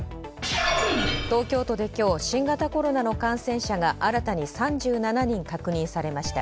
東京都で今日、新型コロナの感染者が新たに３７人確認されました。